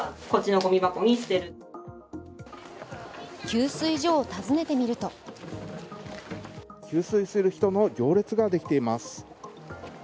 給水所を訪ねてみると給水する人の行列ができています。